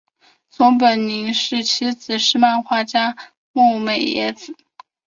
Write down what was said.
松本零士妻子是漫画家牧美也子。